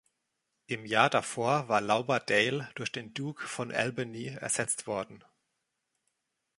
Im Jahr davor war Lauderdale durch den Duke of Albany ersetzt worden.